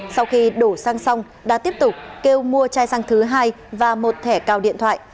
sau khi đổ xăng xong đã tiếp tục kêu mua chai xăng thứ hai và một thẻ cào điện thoại